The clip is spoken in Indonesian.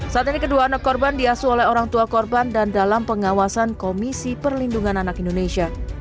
saat ini kedua anak korban diasuh oleh orang tua korban dan dalam pengawasan komisi perlindungan anak indonesia